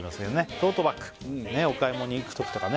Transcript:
トートバッグお買い物に行くときとかね